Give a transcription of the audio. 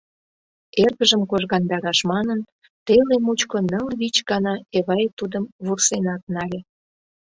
Эргыжым кожгандараш манын, теле мучко ныл-вич гана Эвай тудым вурсенат нале.